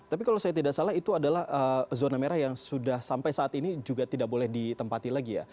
tapi kalau saya tidak salah itu adalah zona merah yang sudah sampai saat ini juga tidak boleh ditempati lagi ya